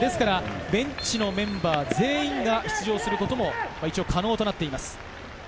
ベンチのメンバー全員が出場することも一応可能となっています。